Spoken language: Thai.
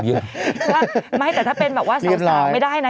คือไม่แต่ถ้าเป็นแบบว่าสารไม่ได้นะ